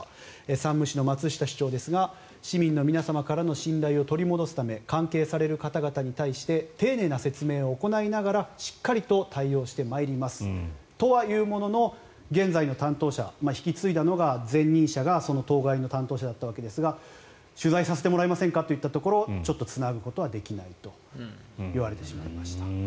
山武市の松下市長ですが市民の皆様からの信頼を取り戻すため関係される方々に対して丁寧な説明を行いながらしっかりと対応してまいりますとは言うものの現在の担当者引き継いだのが、前任者がその当該の担当者だったわけですが取材させてもらえませんか？と言ったところちょっとつなぐことはできないと言われてしまいました。